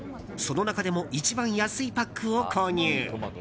その中でも一番安いパックを購入。